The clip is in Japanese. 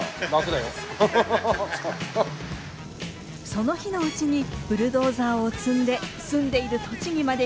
その日のうちにブルドーザーを積んで住んでいる栃木まで引き返します。